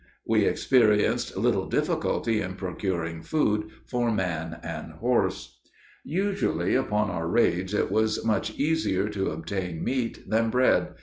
We experienced little difficulty in procuring food for man and horse. Usually upon our raids it was much easier to obtain meat than bread.